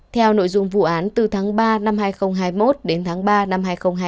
theo nội dung vụ án từ tháng ba năm hai nghìn hai mươi một đến tháng ba năm hai nghìn hai mươi hai